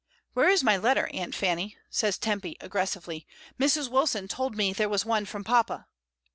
"Where is my letter, Aunt Fanny?" says Tempy, aggressively. "Mrs. Wilson told me there was one from papa."